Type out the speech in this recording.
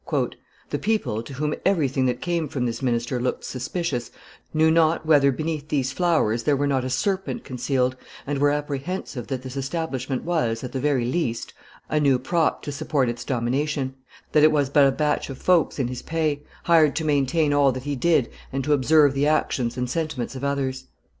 "The people, to whom everything that came from this minister looked suspicious, knew not whether beneath these flowers there were not a serpent concealed, and were apprehensive that this establishment was, at the very least, a new prop to support is domination, that it was but a batch of folks in his pay, hired to maintain all that he did and to observe the actions and sentiments of others.